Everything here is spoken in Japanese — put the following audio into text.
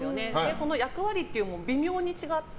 その役割というのも微妙に違って。